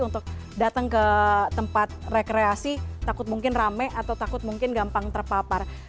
untuk datang ke tempat rekreasi takut mungkin rame atau takut mungkin gampang terpapar